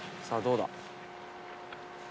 さあどうだ？」